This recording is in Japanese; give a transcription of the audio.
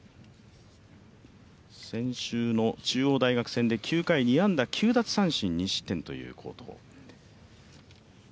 先週の中央大学戦で９回２安打９奪三振という好投。